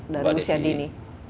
dari usia dini